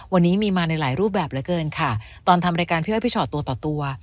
วันนี้มีมาในหลายรูปแบบเหลือเกินค่ะตอนทำรายการพี่อ้อยพี่ชอตตัวต่อตัว